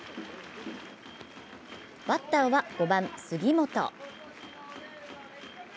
バッターは５番・杉本。